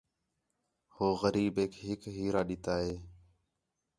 ہو غریب ہِک ہیرا ݙِتّا ہِے